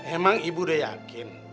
emang ibu udah yakin